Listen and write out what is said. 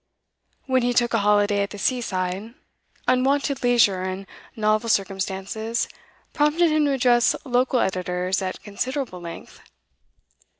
When he took a holiday at the seaside, unwonted leisure and novel circumstances prompted him to address local editors at considerable length.